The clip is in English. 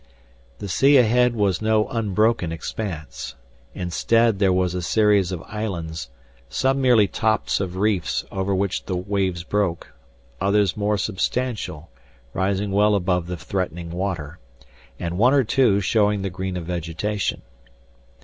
The sea ahead was no unbroken expanse. Instead there was a series of islands, some merely tops of reefs over which the waves broke, others more substantial, rising well above the threatening water, and one or two showing the green of vegetation.